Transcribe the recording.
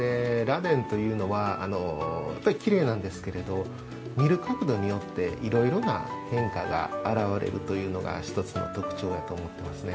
螺鈿というのはやっぱりきれいなんですけれど見る角度によっていろいろな変化が現れるというのが一つの特徴やと思ってますね。